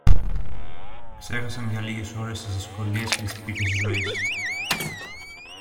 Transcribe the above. ξέχασαν για λίγες ώρες τις δυσκολίες και τις πίκρες της ζωής.